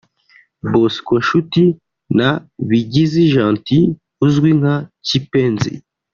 Bosco Nshuti na Bigizi Gentil uzwi nka Kipenzi